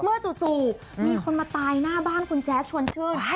จู่มีคนมาตายหน้าบ้านคุณแจ๊ดชวนชื่น